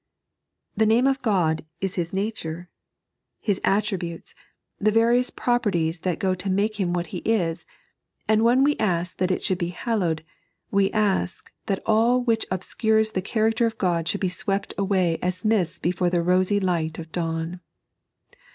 The name of God is His nature — His attributes, the various properties that go to make Him what He is ; and when we ask that it should be hallowed, we ask that all which obscures the character of God should be swept away as mists before the rosy light of dawn.